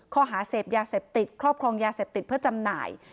ข้อหาเสพยาเสพติดครอบครองยาเสพติดเพื่อจำหน่าย